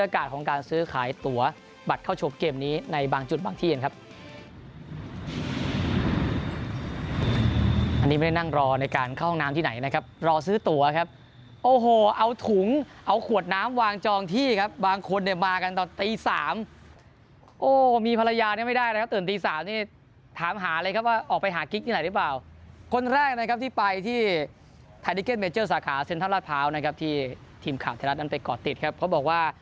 อันนี้ไม่ได้นั่งรอในการเข้าห้องน้ำที่ไหนนะครับรอซื้อตัวครับโอ้โหเอาถุงเอาขวดน้ำวางจองที่ครับบางคนเนี่ยมากันตอนตี๓โอ้มีภรรยาเนี่ยไม่ได้เลยครับตื่นตี๓นี่ถามหาเลยครับว่าออกไปหากิ๊กที่ไหนหรือเปล่าคนแรกนะครับที่ไปที่ไทยดิเก็ตเมเจอร์สาขาเซ็นทรัลลาดพร้าวนะครับที่ทีมข่าวไทยรัฐนั้นไปก่อติดครับเขาบอกว่า